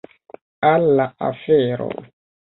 Al la afero!